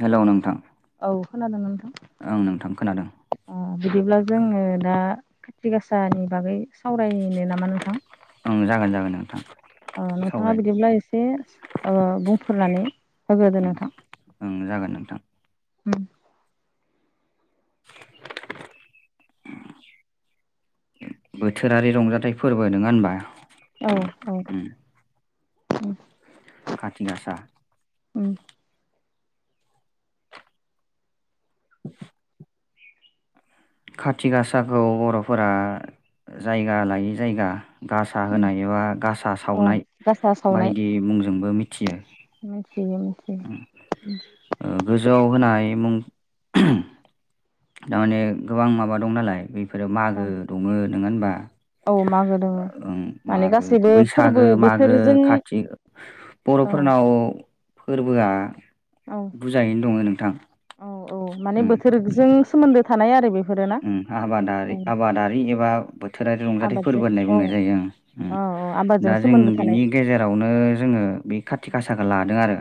Hello नोंथां औ खोनादों नोंथां ओं नोंथां खोनादों [unintelligible] बिदिब्ला जोंङो दा खाथि गासानि बागै सावरायनो नामा नोंथां जागोन-जागोन नोंथां ओ नोंथाङा बिदिब्ला सावरायनो एसे ओ बुंफोरनानै होग्रोदो ओं नोंथां ओं जागोन नोंथां [unintelligible] [unintelligible] बोथोरारि रंजाथाइ फोरबो नोङा होनबा औ औ उम [unintelligible] खाथि गासा उम [inaudible] खाथि गासाखौ बर'फोरा जायगा लायै जायगा गासा उम होनाय एबा गासा अ सावनाय गासा सावनाय बायदि मुंजोंबो मिथियो मिथियो मिथियो गोजौआव होनाय मुं थारमाने गोबां माबा दं नालाय बेफोरो मागो औ दङ नंङा होनबा औ मागो दोङो ओं माने मागो गासैबो फोरबो बैसागो मागो बोथोरजों खाथि औ बर'फोरनाव फोरबोआ औ बुरजायैनो दङ नोंथां औ औ माने बोथोरजों सोमोन्दो थानाय आरो बे ओं आबादारि आबादारि एबा बोथोरारि रंजाथाइ आबादजों फोरबो होननाय औ बुंनाय जायो ओं औ औ आबादजों दा जों सोमोन्दो थानाय बिनि गेजेरावनो जोङो बे खाति गासाखौ लादों आरो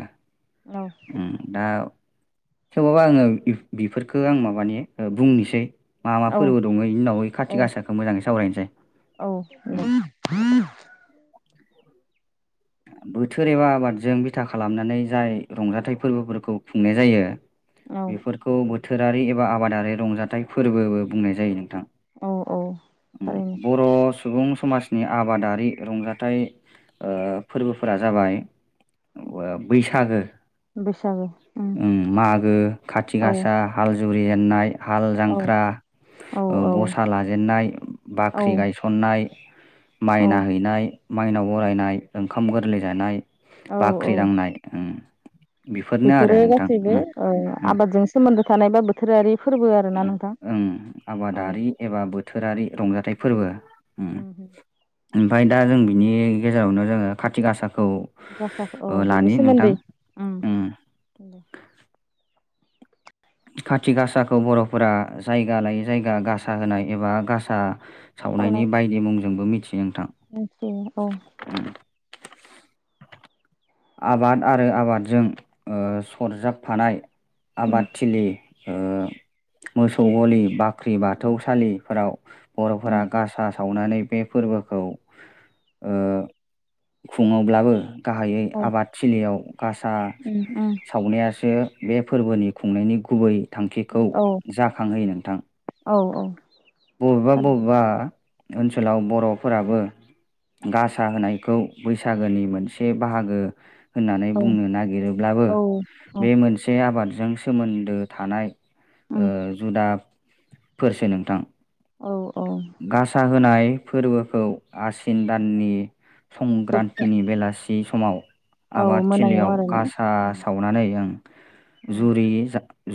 औ ओं दा सोरबाबा आङो बेफोरखौ आं माबानि बुंनोसै मा मा औ फोरबो दङ बि उनाव औ कारथि गासाखौ मोजाङै सावरायनोसै औ उम बोथोर एबा आबादजों बिथा खालामनानै जाय रंजाथाइ फोरबोफोरखौ खुंनाय जायो औ बेफोरखौ बोथोरारि एबा आबादारि रंजाथाइ फोरबोबो बुंनाय जायो नोंथां। औ औ थारैनो बर' सुबुं समाजनि आबादारि रंजाथाइ ओ फोरबोफोरा जाबाय बैसागो बैसागु ओं मागो खाथि गासा हाल जुरि जेननाय हाल औ जांख्रा औ औ गसा लाजेननाय बाख्रि औ गायसननाय माइना हैनाय माइनाव बरायनाय ओंखाम गोरलै जानाय औ बाख्रि दांनाय बेफोरनो आरो बेफोरो नोंथां गासैबो उम उम आबादजों सोमोन्दो थानाय बा बोथोरारि फोरबो आरोना नोंथां ओं औ आबादारि एबा बोथोरारि रंजाथाइ फोरबो उम ओं। उम ओमफ्राय दा जों बिनि गेजेरावनो जोङो खाथि गासा औ बेनि सोमोन्दै ओं उम दे खाथि गासाखौ बर'फोरा जायगा लायै जायगा गासा होनाय एबा गासा सावनाय सावनायनि बायदि मुंजोंबो मिथियो नोंथां मिथियो औ आबाद आरो आबादजों ओ सरजाबफानाय उम आबादथिलि ओ मोसौ गलि बाख्रि बाथौसालिफोराव उम बर'फोरा गासा सावनानै बे फोरबोखौ ओ खुङोब्लाबो गाहायै औ आबाद थिलियाव गासा उम उम सावनायासो बे फोरबोनि खुंनायनि गुबै थांखिखौ औ जाखांहोयो नोंथां औ बबेबा बबेबा ओनसोलाव बर'फोराबो गासा होनायखौ बैसागोनि मोनसे बाहागो होननानै औ बुंनो नागिरोब्लाबो औ औ बे मोनसे आबादजों सोमोन्दो थानाय ओ उम जुदाफोरसो नोंथां औ औ गासा होनाय फोरबोखौ आसिन दाननि जोबथा संक्रान्तिनि बेलासि समाव औ आबाद मोनायाव थिलियाव आरोना गासा उम सावनानै ओं उम जुरि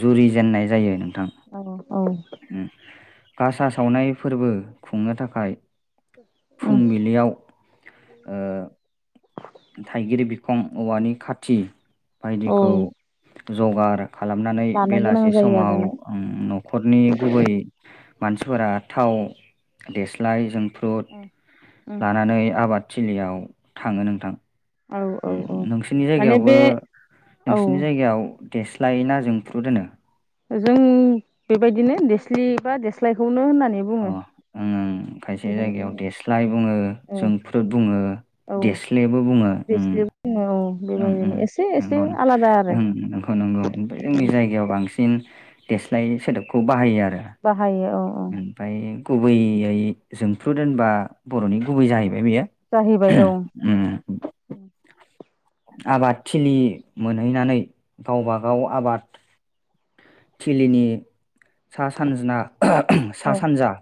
जुरि जेननाय जायो नों औ औ गासा सावनाय फोरबो खुंनो थाखाय औ फुंबिलियाव ओ खम औवानि खाथि बायदिखौ जगार खालामनानै लानो गोनां बेलासे जायो समाव आरोना न'खरनि गुबै मानसिफोरा थाव देस्लाय जोंफ्रुट लानानै आबाद थिलियाव थाङो नोंथां। औ औ औ नोंसिनि माने जायगायावबो बे औ नोंसिनि जायगायाव देस्लाय ना जोंफ्रुत होनो? जों बेबायदिनो देस्लि बा देस्लायखौनो होननानै अ बुङो। ओं ओं खायसे बिदिखौनो जायगायाव बुङो देस्लाय बुङो जोंफ्रुद बुङो। औ देस्लेबो बुंङो उम। देस्लि बुङो औ ओम बेबायदिनो एसे एसे नंगौ आलादा आरो नंगौ नंगौ जोंनि जायगायाव बांसि फिन देस्लाय सोदोबखौ बाहायो आरो। बाहायो औ औ ओमफफ्राय गुबैयै जोंफ्रुद होनबा बर'नि गुबै जाहैबाय बेयो जाहैबाय औ ओम। आबाद थिलि मोनहैनानै गावबा गाव आबाद थिलिनि सा सानजा औ सा सानजा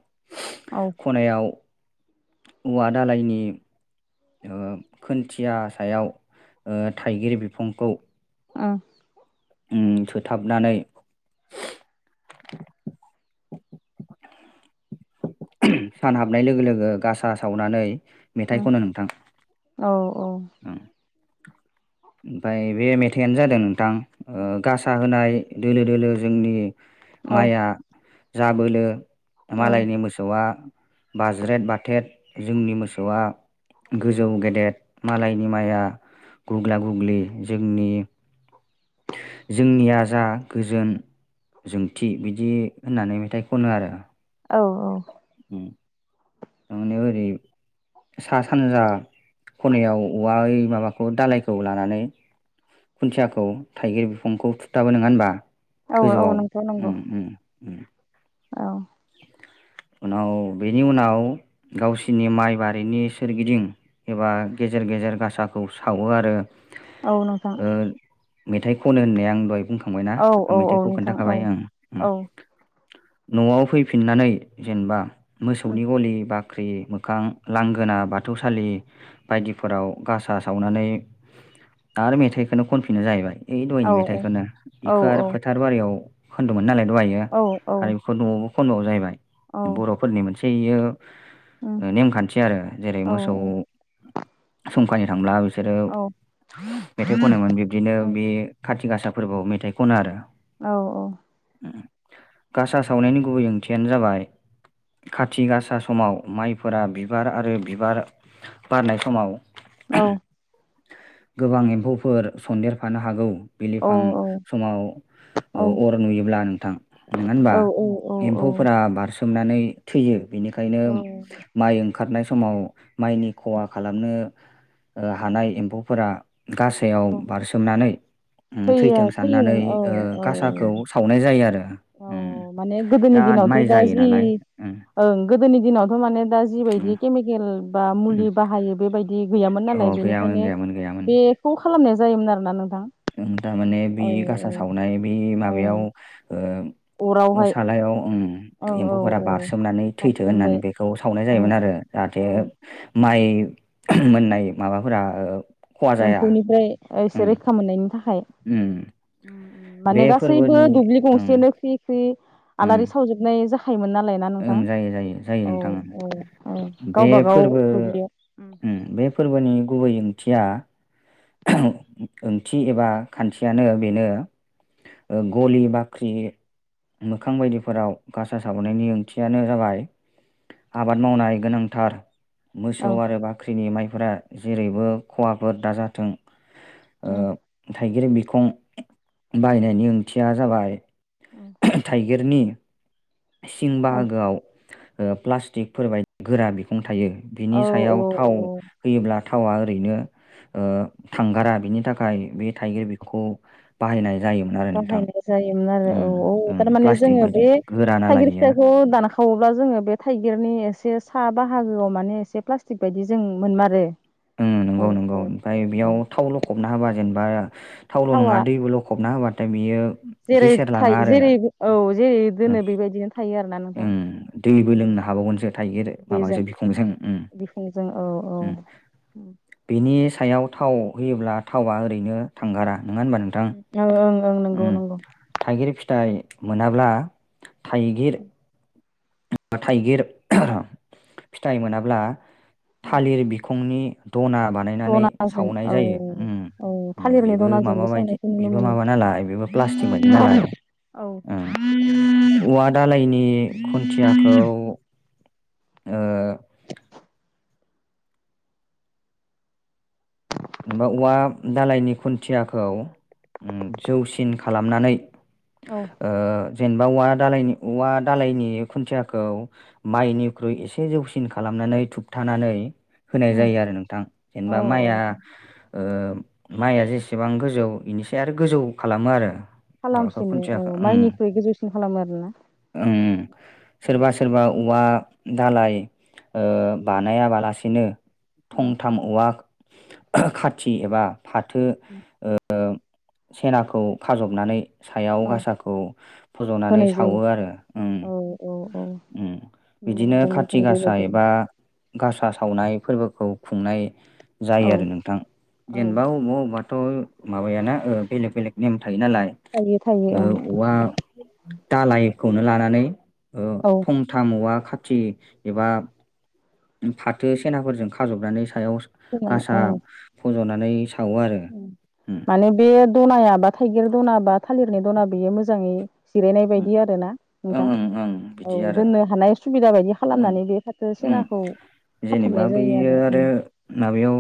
औ खनायाव औवा दालायनि खोनन्थिया सायाव थाइगिर बिफांखौ [unintelligible] उम सोथाबनानै सान हाबनाय लोगो लोगो गासा सावनानै मेथाइ खनो नोंथां। औ औ औ। ओमफफ्राय बे मेथाइनो जादों नोंथां गासा होनाय दोलो दोलो जोंनि माइया जाबोलो मालायनि मोसौ बा बाज्रेद बाथेद जोंनि मोसौआ गोजौ गेदेेर मालायनि माइया गुग्ला गुग्लि जोंनि जोंनिया जा गोजोन जोंथि बिदि होननानै मेथाइ खनो आरो औ औ। नुनायाव एरै [unintelligible] सा सानजा खनायाव औवा माबाखौ दालायखौ लानानै खुन्थियाखौ थाइगिर बिफांखौ थुरथाबो नंङा होनबा? औ औ गोजौआव नोंथां नंगौ उम उम औ। उनाव बेनि उनाव गावसिरनि माइ बारिनि सोरगिदिं एबा गेजेर गेजेर गेजेर गासाखौ सावो आरो। औ नोंथां। ओ मेथाइ खनो होननाय आं दहाय बुंखांबायना औ आं औ औ मेथाइखौ नोंथां खोन्थाखाबाय औ ओं ओं औ न'आव फैफिननानै जेनेबा मोसौनि गलि बा बाख्रि मोखां लांगोना बाथौसालि बायदिफोराव गासा सावनानै दा आरो मेथाइखौनो खनफिनो जाहैबाय। औ दयनि मेथाइखौनो बेखौ आरो औ फोथार बारियाव खोन्दोंमोन नालाय लायो औ आरो बेखौ न'आवबो खनन्द' जाहैबाय औ बर'फोरनि मोनसेयो उम नेमखान्थि आरो जेरै औ मोसौ समखानि थांब्ला बिसोरो औ मेथाइ खनोमोन बिब्दिनो उम बे खाथि गासा फोरबोआव मेथाइ खनो आरो। औ औ। गासा सावनायनि गुबै ओंथियानो जाबाय [inaudible] खाथि गासा समाव माइफोरा बिबार आरो बिबार बारनाय समाव औ। गोबां एम्फौफोर सन्देरफानो हागौ औ बिलिफां औ समाव अर नुयोब्ला नोंथां नोंङा होनबा औ एम्फौफोरा बारसोमनानै थैयो बेनिखायनो माइ ओंखारनाय समाव माइनि खहा खालामनो हानाय एम्फौफोरा गासायाव बारसोमनानै उम फैयो थैथों साननानै फैयोमोन औ ओ गासाखौ औ सावनाय जायो आरो औ माने गोदोनि दिनावथ' दा जि लाय उम ओं गोदोनि दिनावथ' माने दा जिबायदि उम केमिकेल बा उम मुलि बाहायो बेबाय बिदि गैयामोन नालाय अ गैयामोन बेनिखायनो गैयामोन गैयामोन बेखौ खालामनाया जायोमोन आरोना नों थारमाने बे गासा सावनाय बे औ माबायाव अरावहाय असालायाव ओं औ एम्फौफोरा औ बारसोमनानै थैथो होननानै बारसोमबाय बेखौ सावनाय ओं जायोमोन आरो जाहाथे ओं माइ मोननाय माबाफोरा ओ खहा जाया एम्फौनिफ्राय एसे ओम रैखा मोननायनि थाखाय ओम बे माने गासैबो फोरबोनि दुब्लि ओं गंसेनो ख्रि ख्रि ओं आलारि सावजोबनाय जा खायोमोन नालाय ना ओं नोंथां जायो जायो जायो औ नोंथां औ औ बे गावबागाव फोरबो दुब्लियाव बे फोरबोनि गुबै ओंथिया ओंथि एबा खान्थियानो बेनो गलि बाख्रि मोखां बायदिफोराव गसाार साबनायनि ओंथियानो जाबाय आबाद मावनाय गोनांथार औ मोसौ आरो बाख्रिनि माइफोरा जेरैबो खवाफोर दाजाथों थाइगिर बिखं बायनायनि ओंथिया जाबाय औ। गिरनि सिं बाहागोआव ओ प्लासटिकफोर बाय गोरा बि थायो औ बिनि औ सायाव थाव औ होयोब्ला थावआ ओरैनो ओ थांगारा बिनि थाखाय बे थाइगिर बिखौ बाहायनाय जायोमोन आरो नोंथां बाहायनाय जायोमोन आरो औ उम औ उम थारमाने प्लास्टिक जोङो बायदि बे गोरा नालाय थाइगिर इयो फिथाइखौ दाना खावोब्ला जोङो बे थाइगिरनि एसे साहा बाहागोआव माने एसे प्लास्टिक बायदि जों मोनमारो औ नंगौ नंगौ औ औ ओमफ्राय औ बेयाव थाव लखबना होबा जेनेबा थावल' थावा नङा दैबो लखबना होबाथाय बियो जेरै गेसेरलाङा थायो आरो जेरै औ जेरै दोनो ओं बेबायदिनो थायो आरो ना नोंथां ओं दैबो औ लोंनो हाबावगोनसो थाइगिर बेजों माबाजों बिखंजों उम बिखजों औ औ उ नि सायाव थाव होयोब्ला थावा ओरैनो थांगारा नङा होनबा ओं ओं ओं नंगौ नोंथां नंगौ थाइगिर फिथाइ मोनाब्ला थाइगिर थाइगिर फिथाइ मोनाब्ला थालिर बिखौ फुंनि दना बानायनानै दनाजों सावनाय औ जायो उम औ उम थालिरनि बेबो माबा दनाजोंबो बायदि सावनायखौ नुनो बेबो मोनो माबा नाला बो प्लासटिक बायदि ओं औ नालाय औ औवा दालायनि खुन्थियाखौ ओ [inaudible] जेनबा औवा दालायनि खुन्थियाखौ जौसिन खालामनानै औ जेनेबा औवा दालायनि औवा दालायनि खुन्थियाखौ माइनिख्रुइ एसे जौसिन खालाम नानै थुबथानानै होनाय उम जायो आरो नोंथां जेनेबा औ औ माइआ ओ माइया जेसेबां गोजौ बेनोसै आरो गोजौ खालामो आरो माबाखौ खालामसिनो औ खुन्थियाखौ ओं माइनिख्रुइ गोजौसिन खालामो आरोना। सोरबा सोरबा औवा दालइ बानायाबालासिनो उम थंथाम औवा खाथि एबा फाथो सेनाखौ खाजबनानै सायाव औ गासाखौ फज'नानै होनाय जायो सावो आरो औ औ औ ओ नुनो बिदिनो मोनदों खाथि नोंथां आसा बेबायदिनो एबा गासा सावनाय फोरबोखौ खुंनाय जायो औ आरो नोंथां औ जेनेबा अबेबा अबेबा थ'माबाय ना बेलेग बेलेक नेम थायो नालाय थायो थायो ओं औवा दालायखौनो लानानै औ थंथाम औवा खाथि एबा फाथो सनाफोरजों खाजबनानै सायाव माने गासा औ फज'नानै सावो आरो उम माने बे दनायाबा थाइगिर दनाबा थालिरनाय दना बेयो मोजाङै जिरायनाय बायदि आर ना ओं नोंथां। ओं ओं बिदि औ आरो दोननो हानाय सुबिदा बायदि उम खालामनानै बे फाथो उम सनाखौ जेनेबा बेयो आरो माबायाव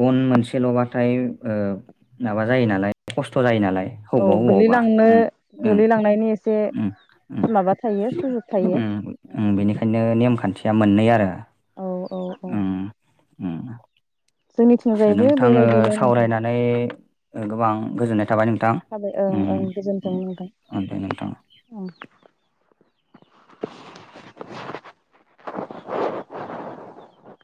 गन मोनसेल'बाथाय माबा जायो नालाय खस्थ' जायो नालाय औ अबाव अबयावबा गोलैलांनो गोलैलांनायनि एसे माबा थायो सुजुग थायो बेनिखायनो नेमखान्थिया मोननै आरो औ औ औ। उम [inaudible] जोंनिथिंजायबो नोंथाङो बेबायदिनो नोंथां सावरायनानै गोबां गोजोननाय थाबाय नोंथ। हाबै ओं ओं गोजोनथों बुंबाय उम दे नोंथां ओं [inaudible]